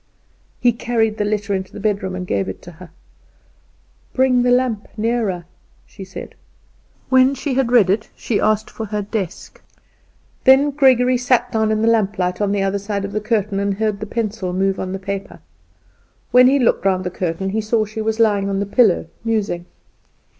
He carried the letter into the bedroom and gave it to her. "Bring me the lamp nearer," she said. When she had read it she asked for her desk. Then Gregory sat down in the lamp light on the other side of the curtain, and heard the pencil move on the paper. When he looked round the curtain she was lying on the pillow musing.